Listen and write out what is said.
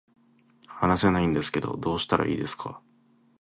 話せないんですけど、どうしたらいいですか